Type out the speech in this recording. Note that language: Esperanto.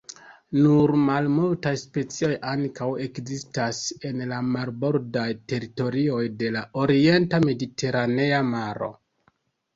Nur malmultaj specioj ankaŭ ekzistas en la marbordaj teritorioj de la orienta Mediteranea Maro.